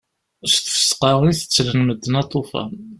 S tfesqa i tettlen medden aṭufan.